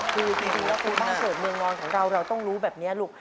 คือจริงแล้วครูบ้านเกิดเมืองนอนของเราเราต้องรู้แบบนี้ลูก